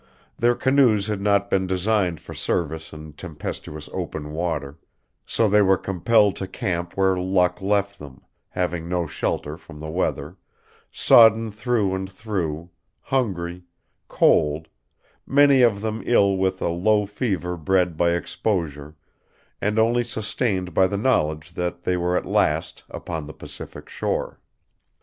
Their canoes had not been designed for service in tempestuous open water; so they were compelled to camp where luck left them, having no shelter from the weather, sodden through and through, hungry, cold, many of them ill with a low fever bred by exposure, and only sustained by the knowledge that they were at last upon the Pacific shore.